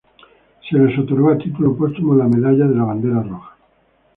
Se les otorgó a título póstumo la medalla de la Bandera Roja.